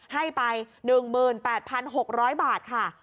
ให้ไปหนึ่งหมื่นแปดพันหกร้อยบาทค่ะ